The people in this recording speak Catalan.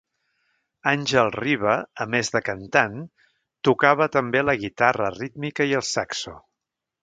Àngel Riba, a més de cantant, tocava també la guitarra rítmica i el saxo.